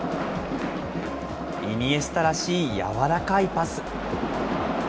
イニエスタらしい柔らかいパス。